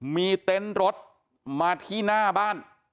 มีเต็นต์รถมาที่หน้าบ้าน